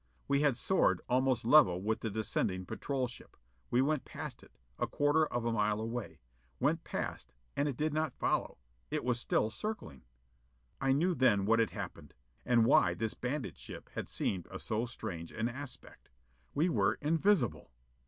We had soared almost level with the descending patrol ship. We went past it, a quarter of a mile away. Went past, and it did not follow. It was still circling. I knew then what had happened. And why this bandit ship had seemed of so strange an aspect. We were invisible!